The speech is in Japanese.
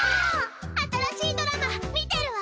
新しいドラマ観てるわ！